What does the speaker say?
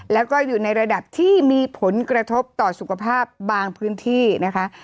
แล้วก็อยู่ในระดับที่มีผลกระทบต่อสุขภาพบางพื้นที่นะคะ